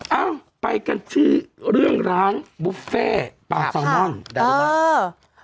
เอ้าไปกันซื้อเรื่องร้านบุฟเฟ่ปาสองนอนได้รู้มั้ย